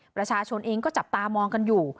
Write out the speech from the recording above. ประชาชนเองก็จับตามองกันอยู่